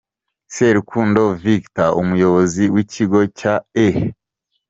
Serugendo Victor, umuyobozi w’ikigo cya E.